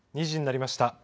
２時になりました。